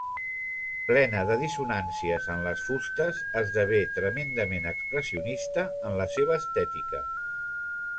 Plena de dissonàncies en les fustes esdevé tremendament expressionista en la seva estètica.